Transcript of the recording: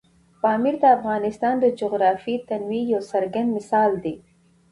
پامیر د افغانستان د جغرافیوي تنوع یو څرګند مثال دی.